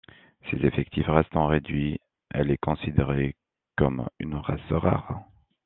Ses effectifs restant réduits, elle est considérée comme une race rare.